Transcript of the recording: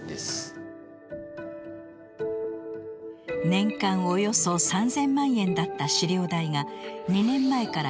年間およそ３，０００万円だった飼料代が２年前から４，０００万円に高騰。